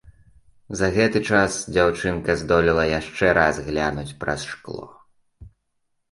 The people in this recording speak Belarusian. За гэты час дзяўчынка здолела яшчэ раз глянуць праз шкло.